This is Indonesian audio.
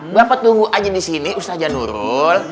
bapak tunggu aja di sini ustaz janurul